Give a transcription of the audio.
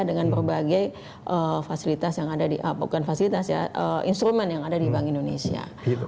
dengan berbagai instrument yang ada di bank indonesia